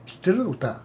歌。